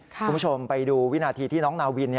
คุณผู้ชมไปดูวินาทีที่น้องนาวิน